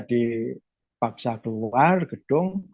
dipaksa keluar gedung